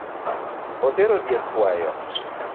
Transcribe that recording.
Otero diek kwayo